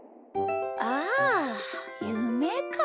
あゆめか。